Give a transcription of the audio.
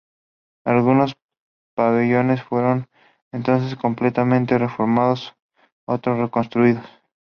Algunos pabellones fueron entonces completamente reformados, otros reconstruidos.